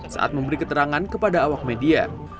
saat memberi keterangan kepada awak media